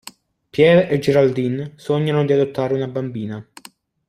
Pierre e Geraldine sognano di adottare una bambina.